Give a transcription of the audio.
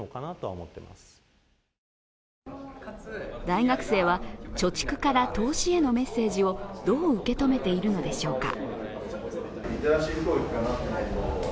大学生は「貯蓄から投資へ」のメッセージをどう受け止めているのでしょうか。